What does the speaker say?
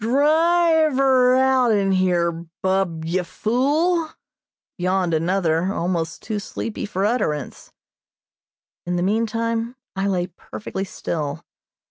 "Drive her out'n here, Bub, ye fool!" yawned another, almost too sleepy for utterance. In the meantime I lay perfectly still.